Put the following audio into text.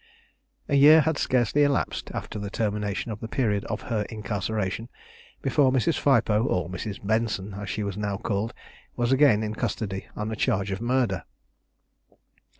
A year had scarcely elapsed after the termination of the period of her incarceration, before Mrs. Phipoe, or Mrs. Benson, as she was now called, was again in custody on a charge of murder.